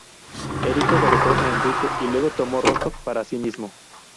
Erico derrotó a Enrique y luego tomó Rostock para sí mismo.